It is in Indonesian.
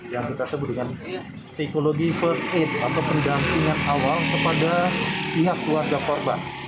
yang kita sebut dengan psikologi first aid atau pendampingan awal kepada pihak keluarga korban